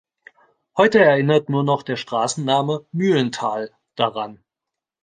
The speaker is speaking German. Heute erinnert nur noch der Straßenname "Mühlental" daran.